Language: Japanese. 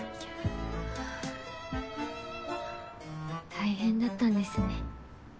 大変だったんですね。